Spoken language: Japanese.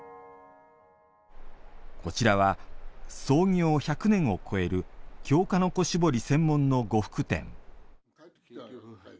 こちらは、創業１００年を超える京鹿の子絞り専門の呉服店。